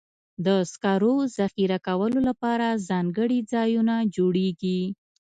د سکرو ذخیره کولو لپاره ځانګړي ځایونه جوړېږي.